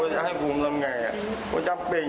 จำเป็นจริง